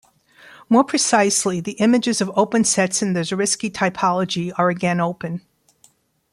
More precisely, the images of open sets in the Zariski topology are again open.